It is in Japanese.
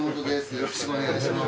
よろしくお願いします。